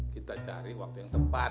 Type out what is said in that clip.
kita cari waktu yang tepat